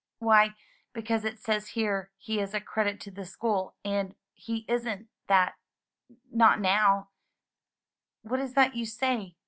"Why, because it says here he is a credit to the school, and he isn't that — ^not now/' "What is that you say?